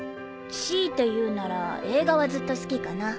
強いて言うなら映画はずっと好きかな。